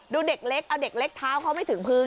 เด็กเล็กเอาเด็กเล็กเท้าเขาไม่ถึงพื้น